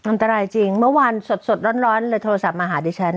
อันตรายจริงเมื่อวานสดร้อนเลยโทรศัพท์มาหาดิฉัน